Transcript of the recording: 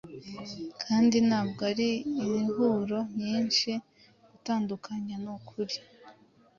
Kandi ntabwo ari i inhuro nyinhi gutandukana nukuri